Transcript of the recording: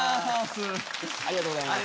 ありがとうございます。